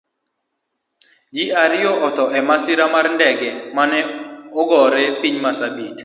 Ji ariyo otho emasira mar ndege mane ogore piny marsabit